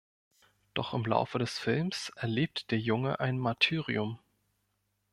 Doch im Laufe des Films erlebt der Junge ein Martyrium.